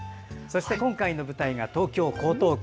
今回の舞台が東京・江東区。